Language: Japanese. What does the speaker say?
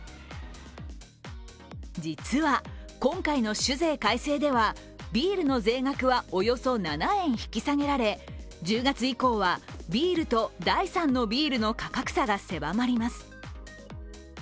実は、今回の酒税改正ではビールの税額はおよそ７円引き下げられ１０月以降はビールと第３のビールの価格差が狭まります。